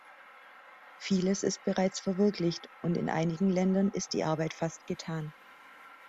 Vieles ist bereits verwirklicht, und in einigen Ländern ist die Arbeit fast getan.